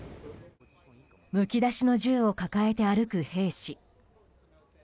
むき出しの銃を抱えて歩く兵士。